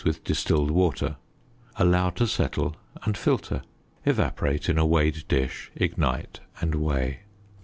with distilled water; allow to settle, and filter. Evaporate in a weighed dish, ignite, and weigh.